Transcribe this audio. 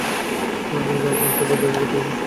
আমি তো আপনার সাথে দেখা করতে এসেছি।